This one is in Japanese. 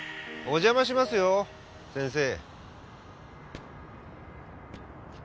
お邪魔しますよ先生。